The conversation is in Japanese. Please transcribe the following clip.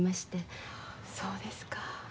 そうですか。